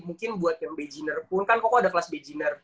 mungkin buat yang b gener pun kan koko ada kelas b gener